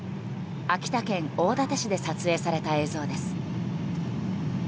秋田県大館市で撮影された映像です。